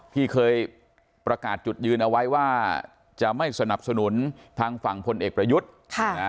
ที่เคยประกาศจุดยืนเอาไว้ว่าจะไม่สนับสนุนทางฝั่งพลเอกประยุทธ์